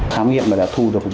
thám nghiệm và đã thu được